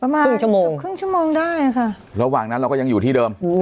ครึ่งชั่วโมงถึงครึ่งชั่วโมงได้ค่ะระหว่างนั้นเราก็ยังอยู่ที่เดิม